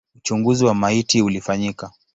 Uchunguzi wa maiti ulifanyika.